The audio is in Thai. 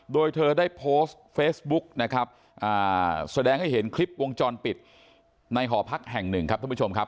โดยเธอได้โพสต์เฟซบุ๊กนะครับแสดงให้เห็นคลิปวงจรปิดในหอพักแห่งหนึ่งครับท่านผู้ชมครับ